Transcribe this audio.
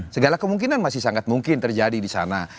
segala kemungkinan masih sangat mungkin terjadi di sana